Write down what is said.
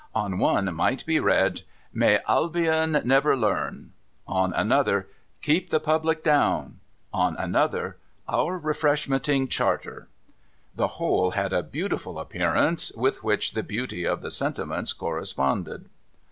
On one might be read, ' May Albion never Learn ;' on another, ' Keep the Public Down ;' on another, ' Our Refreshmenting Charter.' The whole had a beautiful appearance, with which the beauty of the sentiments corresponded.